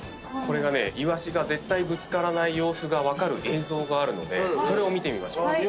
イワシが絶対ぶつからない様子が分かる映像があるのでそれを見てみましょう。